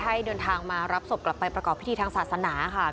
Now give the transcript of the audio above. ให้เดินทางมารับศพกลับไปประกอบพิธีทางศาสนาค่ะ